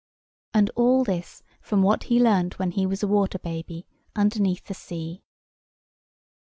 And all this from what he learnt when he was a water baby, underneath the sea.